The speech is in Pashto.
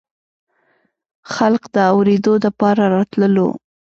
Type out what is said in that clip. خلق د اورېدو دپاره راتللو